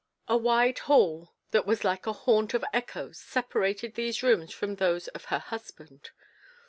A wide hall that was like a haunt of echoes separated these rooms from those of her husband.